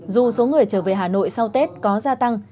dù số người trở về hà nội sau tết có gia tăng